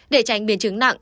để tránh biến chứng nặng